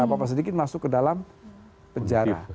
apa apa sedikit masuk ke dalam penjara